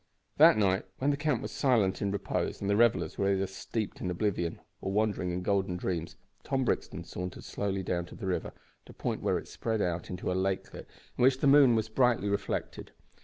That night, when the camp was silent in repose, and the revellers were either steeped in oblivion or wandering in golden dreams, Tom Brixton sauntered slowly down to the river at a point where it spread out into a lakelet, in which the moon was brightly reflected.